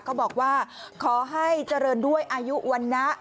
เขาบอกว่าขอให้เจริญด้วยอายุวันนะ